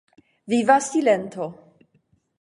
Viva silento.